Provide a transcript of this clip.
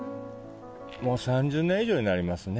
もう３０年以上になりますね。